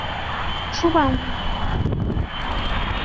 初回版附有贴纸。